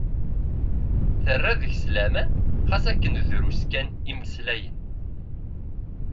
Terra deg-s laman ɣas akken drus kan i mmeslayen.